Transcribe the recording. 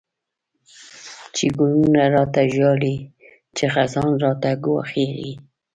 چی گلونه را ته ژاړی، چی خزان راته گواښیږی